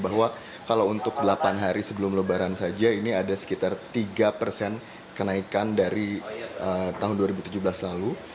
bahwa kalau untuk delapan hari sebelum lebaran saja ini ada sekitar tiga persen kenaikan dari tahun dua ribu tujuh belas lalu